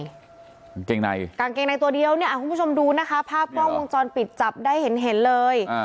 กางเกงในกางเกงในตัวเดียวเนี่ยคุณผู้ชมดูนะคะภาพกล้องวงจรปิดจับได้เห็นเห็นเลย